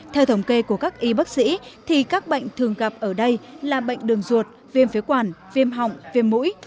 theo thống kê của các y bác sĩ thì các bệnh thường gặp ở đây là bệnh đường ruột viêm phế quản viêm họng viêm mũi